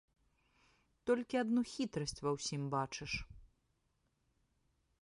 Толькі адну хітрасць ва ўсім бачыш.